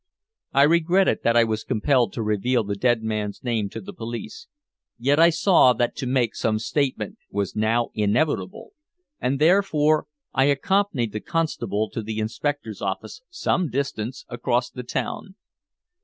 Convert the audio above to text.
I regretted that I was compelled to reveal the dead man's name to the police, yet I saw that to make some statement was now inevitable, and therefore I accompanied the constable to the inspector's office some distance across the town.